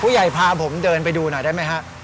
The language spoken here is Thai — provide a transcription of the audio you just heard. ยายพาผมเดินไปดูหน่อยได้ไหมฮะ